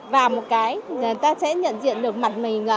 và một cái người ta sẽ nhận diện được mặt mình